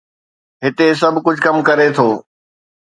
هتي سڀ ڪجهه ڪم ڪري ٿو.